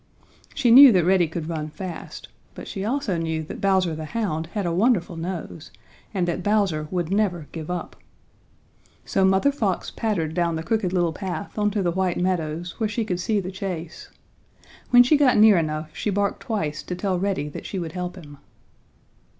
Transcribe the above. She knew that Reddy could run fast, but she also knew that Bowser the Hound had a wonderful nose, and that Bowser would never give up. So Mother Fox pattered down the Crooked Little Path onto the White Meadows, where she could see the chase. When she got near enough, she barked twice to tell Reddy that she would help him.